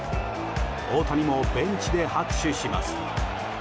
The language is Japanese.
大谷もベンチで拍手します。